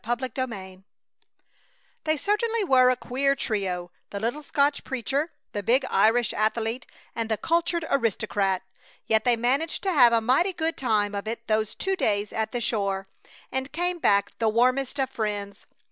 CHAPTER XXVII They certainly were a queer trio, the little Scotch preacher, the big Irish athlete, and the cultured aristocrat! Yet they managed to have a mighty good time of it those two days at the shore, and came back the warmest of friends.